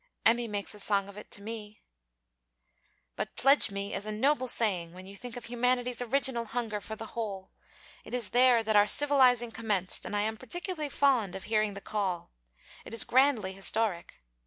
'Emmy makes a song of it to me.' 'But "pledge me" is a noble saying, when you think of humanity's original hunger for the whole. It is there that our civilizing commenced, and I am particularly fond of hearing the call. It is grandly historic.